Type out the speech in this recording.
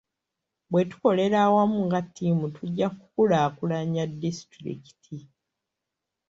Bwe tukolera awamu nga ttiimu tujja kukulaakulanya disitulikiti.